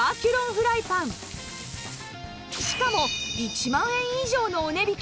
しかも１万円以上のお値引き！